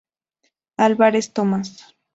Alvarez Thomas.